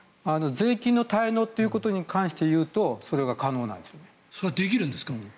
税金の滞納ということに関して言うとそれはできるんですか。